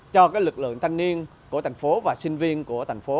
cho lực lượng thanh niên của thành phố và sinh viên của thành phố